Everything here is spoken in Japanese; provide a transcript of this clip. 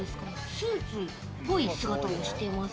スーツっぽい姿をしてます。